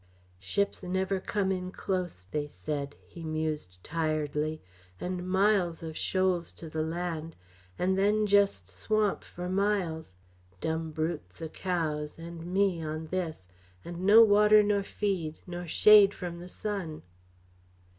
"Ships never come in close, they said," he mused tiredly, "and miles o' shoals to the land and then just swamp for miles. Dumb brutes o' cows, and me on this and no water nor feed, nor shade from the sun."